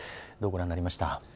どうご覧になりました？